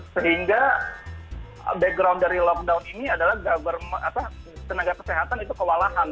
sehingga background dari lockdown ini adalah tenaga kesehatan itu kewalahan